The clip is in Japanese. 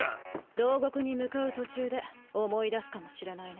牢獄に向かう途中で思い出すかもしれないね。